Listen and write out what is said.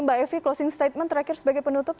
mbak evi closing statement terakhir sebagai penutup